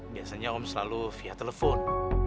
biasanya om selalu via telepon